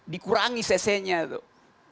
dikurangi cc nya tuh